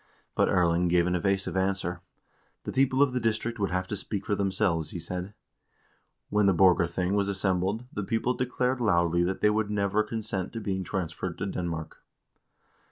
But Erling gave an evasive answer. The people of the district would have to speak for themselves, he said. When the Borgarthing was assembled, the people declared loudly that they would never consent to being transferred to Denmark.